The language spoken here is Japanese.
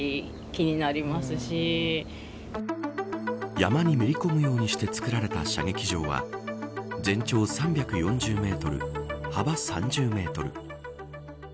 山にめり込むようにして造られた射撃場は全長３４０メートル幅３０メートル。